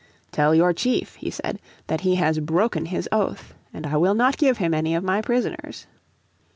"Tell your chief," he said, "that he has broken his oath, and I will not give him any of my prisoners."